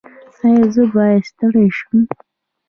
ایا زه باید ستړی شم؟